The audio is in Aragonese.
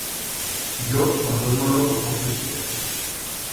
Yo m'aduermo luego toz es días.